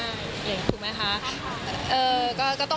ถูกไหมคะ